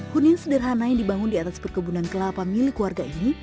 hunian sederhana yang dibangun di atas perkebunan kelapa milik warga ini